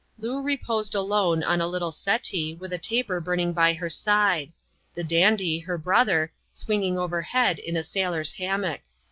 Loo reposed alone on a little settee, with a taper burning by lier side; the dandy, her brother, swinging overhead in a sailor^s hammock.